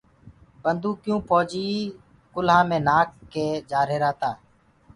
بنٚدوڪيٚئونٚ ڦوجيٚ ڪُلهآ مينٚ نآک ڪي جآريهرآ تآ